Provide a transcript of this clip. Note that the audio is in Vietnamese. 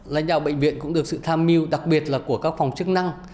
lãnh đạo bệnh viện cũng được sự tham mưu đặc biệt là của các phòng chức năng